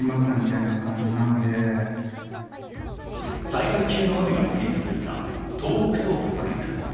災害級の雨が降り続いた東北と北陸。